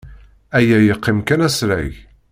Aya yeqqim kan asrag.